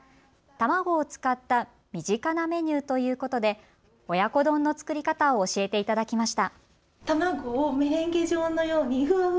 卵を使った身近なメニューということで親子丼の作り方を教えていただきました。